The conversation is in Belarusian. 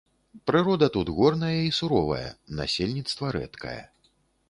Прырода тут горная і суровая, насельніцтва рэдкае.